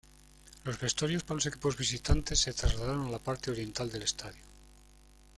Los vestuarios para los equipos visitantes se trasladaron a la parte oriental del estadio.